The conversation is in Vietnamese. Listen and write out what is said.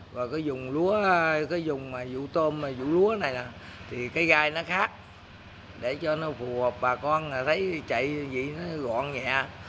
rồi cái dùng lúa cái dùng dụ tôm dụ lúa này thì cái gai nó khác để cho nó phù hợp bà con là thấy chạy gì nó gọn nhẹ